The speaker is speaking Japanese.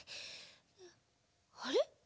あれ？